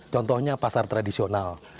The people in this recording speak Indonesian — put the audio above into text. contohnya pasar tradisional